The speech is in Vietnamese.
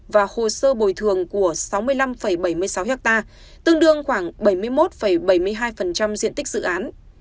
và hồ sơ bồi thường của sáu mươi năm bảy mươi sáu ha tương đương khoảng bảy mươi một bảy mươi hai diện tích dự án